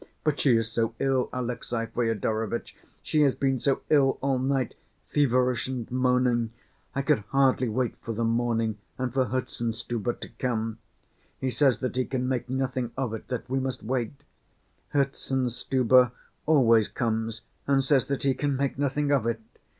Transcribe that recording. But she is so ill, Alexey Fyodorovitch, she has been so ill all night, feverish and moaning! I could hardly wait for the morning and for Herzenstube to come. He says that he can make nothing of it, that we must wait. Herzenstube always comes and says that he can make nothing of it.